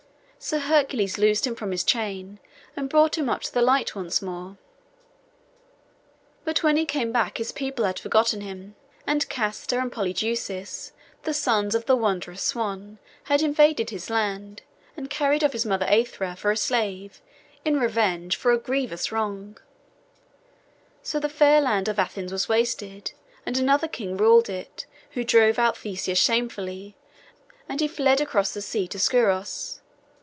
So Heracles loosed him from his chain, and brought him up to the light once more. But when he came back his people had forgotten him, and Castor and Polydeuces, the sons of the wondrous Swan, had invaded his land, and carried off his mother Aithra for a slave, in revenge for a grievous wrong. [Picture: Warriors fighting] So the fair land of Athens was wasted, and another king ruled it, who drove out Theseus shamefully, and he fled across the sea to Scuros.